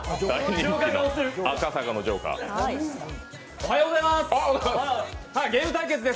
おはようございます。